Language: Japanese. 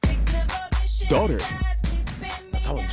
誰？